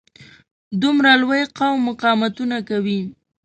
دومره لوی قوم مقاومتونه کوي.